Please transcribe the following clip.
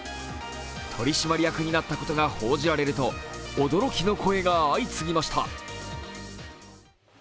取締役になったことが報じられると驚きの声が相次ぎました。